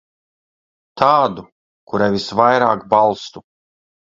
Tādu, kurai visvairāk balstu.